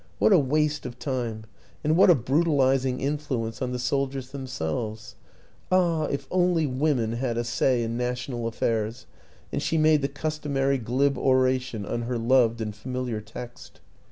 " What a waste of time and what a brutalizing influence on the soldiers themselves ! Ah, if only women had a say in national affairs! "... and she made the customary glib oration on her loved and familiar text.